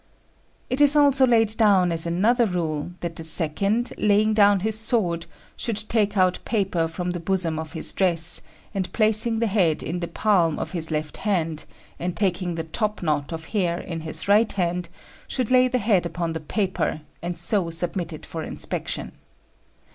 It is also laid down as another rule, that the second, laying down his sword, should take out paper from the bosom of his dress, and placing the head in the palm of his left hand, and taking the top knot of hair in his right hand, should lay the head upon the paper, and so submit it for inspection.